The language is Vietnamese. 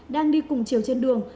đang đi cùng chiều trên đường